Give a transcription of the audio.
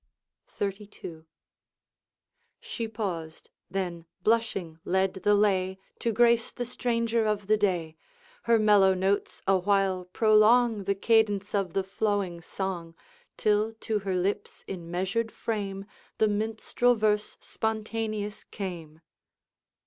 XXXII. She paused, then, blushing, led the lay, To grace the stranger of the day. Her mellow notes awhile prolong The cadence of the flowing song, Till to her lips in measured frame The minstrel verse spontaneous came.